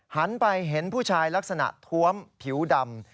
หันไปเห็นผู้ชายลักษณะท้วมผิวดำ